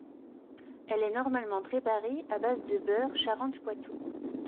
Elle est normalement préparée à base de beurre Charentes-Poitou.